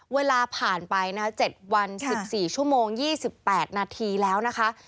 เวลาผ่านไปนะคะ๗วัน๑๔ชั่วโมง๒๘นาทีแล้วนะคะ